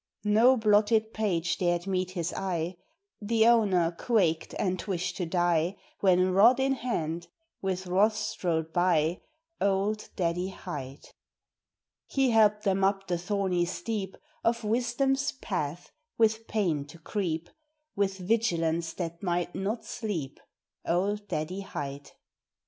No blotted page dared meet his eye; The owner quaked and wished to die, When rod in hand, with wrath strode by Old Daddy Hight. He helped them up the thorny steep Of wisdom's path with pain to creep, With vigilance that might not sleep Old Daddy Hight.